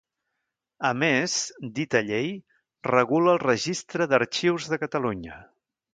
A més, dita llei, regula el Registre d'Arxius de Catalunya.